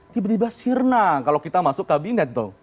tiba tiba sirna kalau kita masuk kabinet tuh